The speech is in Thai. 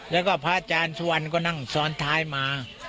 แล้วก็พระอาจารย์สุวรรณก็นั่งซ้อนท้ายมา